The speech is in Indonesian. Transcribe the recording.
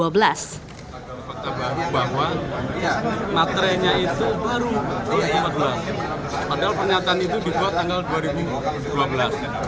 bahwa matrenya itu baru dua ribu empat belas padahal pernyataan itu dibuat tanggal dua ribu dua belas